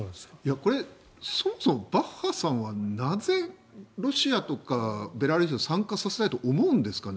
これ、そもそもバッハさんはなぜロシアとかベラルーシを参加させたいと思うんですかね。